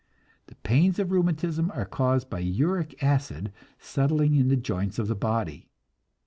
The pains of rheumatism are caused by uric acid settling in the joints of the body.